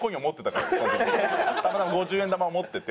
たまたま五十円玉を持ってて。